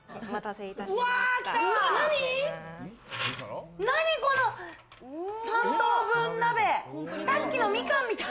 お待たせいたしました。